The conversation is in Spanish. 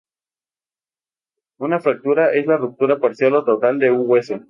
Una fractura es la ruptura parcial o total de un hueso.